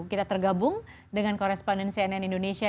kita tergabung dengan koresponden cnn indonesia